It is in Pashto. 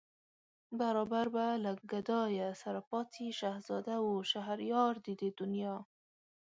برابر به له گدايه سره پاڅي شهزاده و شهريار د دې دنیا